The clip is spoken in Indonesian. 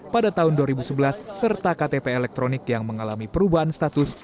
pada tahun dua ribu sebelas serta ktp elektronik yang mengalami perubahan status